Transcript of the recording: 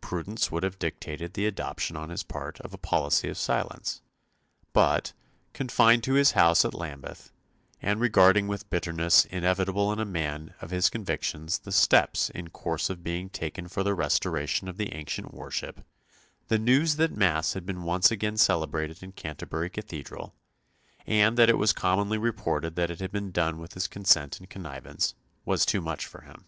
Prudence would have dictated the adoption on his part of a policy of silence; but, confined to his house at Lambeth, and regarding with the bitterness inevitable in a man of his convictions the steps in course of being taken for the restoration of the ancient worship, the news that Mass had been once again celebrated in Canterbury Cathedral, and that it was commonly reported that it had been done with his consent and connivance, was too much for him.